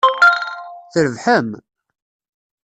Trebḥem!